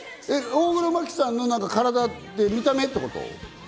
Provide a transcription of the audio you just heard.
大黒摩季さんの体、見た目ってこと？